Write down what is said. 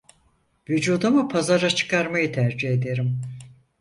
Vücudumu pazara çıkarmayı tercih ederim.